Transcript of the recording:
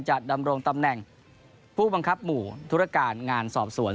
ดำรงตำแหน่งผู้บังคับหมู่ธุรการงานสอบสวน